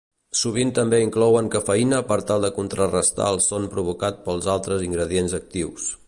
Sovint també inclouen cafeïna per tal de contrarestar el son provocat pels altres ingredients actius.